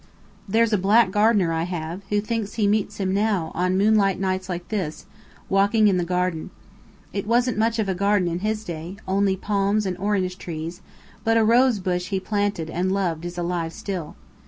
There's a black gardener I have, who thinks he meets him now, on moonlight nights like this, walking in the garden. It wasn't much of a garden in his day; only palms and orange trees: but a rose bush he planted and loved is alive still.